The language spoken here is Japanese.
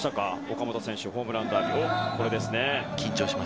岡本選手、ホームランダービー。